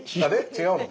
違うの？